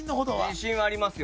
自信はありますよ。